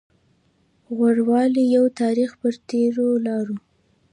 غوړولي يو تاريخ پر تېرو لارو